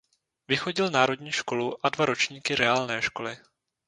Vychodil národní školu a dva ročníky reálné školy.